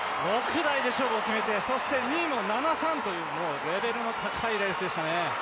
６台で勝負を決めて２位も７３ともうレベルの高いレースでしたね。